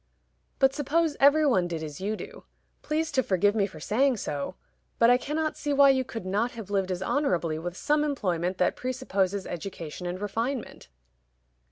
"But suppose every one did as you do? Please to forgive me for saying so; but I cannot see why you could not have lived as honorably with some employment that presupposes education and refinement."